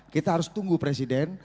kita harus tunggu presiden